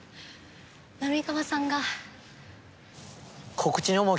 浪川さんが。